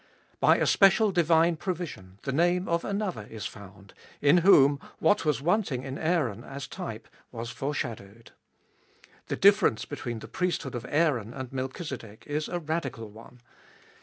By a special divine provision the name of another is found, in whom, what was wanting in Aaron as type, was foreshadowed. The differ ence between the priesthood of Aaron and Melchizedek is a radical one.